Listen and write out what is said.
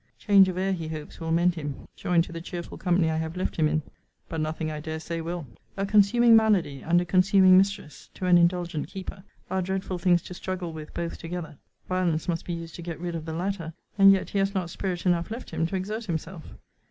Change of air, he hopes, will mend him, joined to the cheerful company I have left him in. But nothing, I dare say, will. A consuming malady, and a consuming mistress, to an indulgent keeper, are dreadful things to struggle with both together: violence must be used to get rid of the latter; and yet he has not spirit enough left him to exert himself.